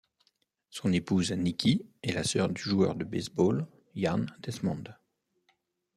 Son épouse Nikki est la sœur du joueur de baseball Ian Desmond.